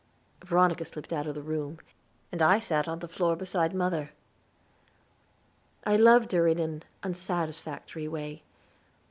Veronica slipped out of the room; and I sat on the floor beside mother. I loved her in an unsatisfactory way.